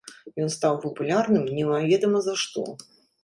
Ён стаў папулярным немаведама за што.